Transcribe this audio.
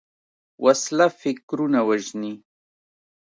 وسله فکرونه وژني